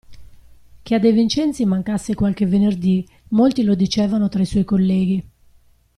Che a De Vincenzi mancasse qualche venerdì, molti lo dicevano tra i suoi colleghi.